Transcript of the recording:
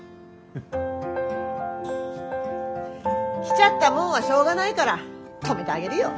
来ちゃったもんはしょうがないから泊めてあげるよ。